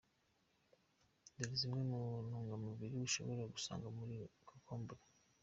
Dore zimwe mu ntungamubiri ushobora gusanga muri cocombre.